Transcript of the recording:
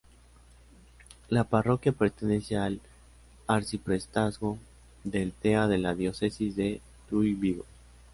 La parroquia pertenece al arciprestazgo del Tea de la diócesis de Tuy-Vigo.